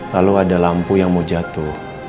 lalu ada lampu yang mau jatuh